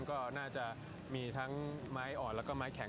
ก็น่าจะมีทั้งไม้อ่อนแล้วก็ไม้แข็ง